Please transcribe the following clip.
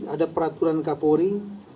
ada peraturan kapolri